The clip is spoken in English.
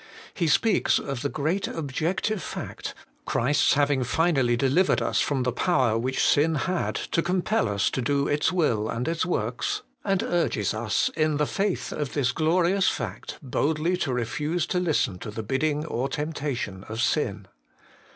He speaks of the great objective fact, Christ's having finally delivered us from the power which sin had to compel us to do its will and its works, and urges us, in the faith of this glorious fact, boldly to refuse to listen to the bidding or tempta tion of sin.